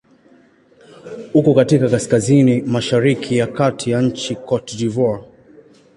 Uko katika kaskazini-mashariki ya kati ya nchi Cote d'Ivoire.